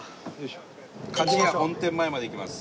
かじや本店前まで行きます。